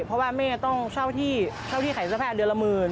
เพราะว่าแม่ต้องเช่าที่เช่าที่ขายเสื้อผ้าเดือนละหมื่น